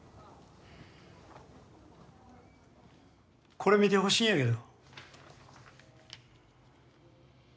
これ見てほしいんやけど。